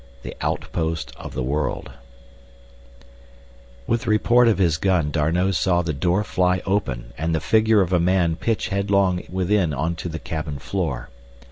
The Outpost of the World With the report of his gun D'Arnot saw the door fly open and the figure of a man pitch headlong within onto the cabin floor.